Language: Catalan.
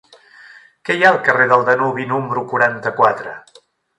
Què hi ha al carrer del Danubi número quaranta-quatre?